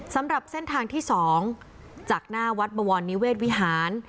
สำหรับเส้นทางที่๒จากหน้าวัดบวรนิเวศวิหาร